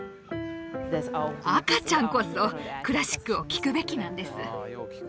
赤ちゃんこそクラシックを聴くべきなんです